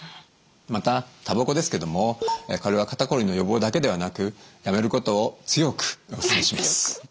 またたばこですけどもこれは肩こりの予防だけではなくやめることを強くお勧めします。